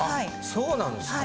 そうなんですか。